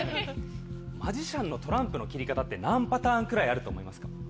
マジシャンのトランプの切り方って何パターンくらいあると思いますか？